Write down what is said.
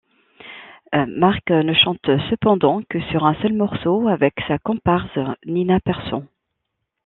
Mark ne chante cependant que sur un seul morceau, avec sa comparse Nina Persson.